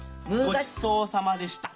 ごちそうさまでした。